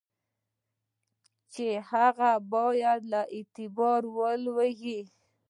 چي هغه باید له اعتباره ولوېږي.